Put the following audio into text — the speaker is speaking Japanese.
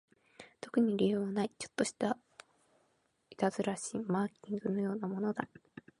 特に理由はない、ちょっとした悪戯心、マーキングのようなものだ